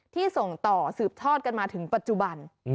ส่งต่อสืบทอดกันมาถึงปัจจุบัน